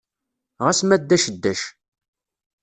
Ɣas ma ddac ddac.